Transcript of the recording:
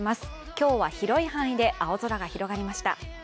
今日は広い範囲で青空が広がりました。